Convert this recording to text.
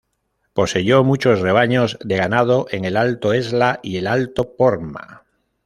Poseyó muchos rebaños de ganado en el alto Esla y el alto Porma.